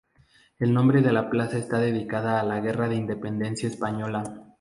El nombre de la plaza está dedicada a la Guerra de Independencia Española.